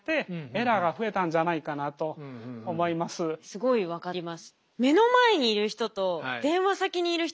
すごい分かります。